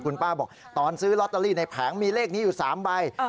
คุณป้าบอกตอนซื้อลอตเตอรี่ในแผงมีเลขนี้อยู่๓ใบ